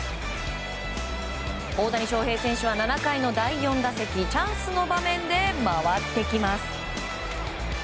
大谷翔平選手は７回の第４打席チャンスの場面で回ってきます。